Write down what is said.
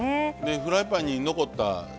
フライパンに残ったたれをね